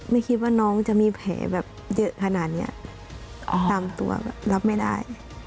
ไม่คิดว่าน้องจะมีแผลแบบเยอะขนาดนี้ตามตัวแบบรับไม่ได้